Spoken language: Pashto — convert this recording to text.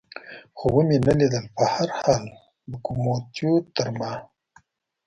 خو مې و نه لیدل، په هر حال لوکوموتیو تر ما.